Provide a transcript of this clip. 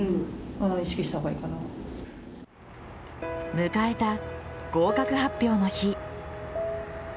迎えた合格発表の日。